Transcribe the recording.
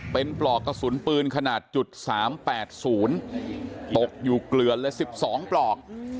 เป็นปลอกกระสุนปืนขนาด๓๘๐ตกอยู่เกลือนเลย๑๒ปลอก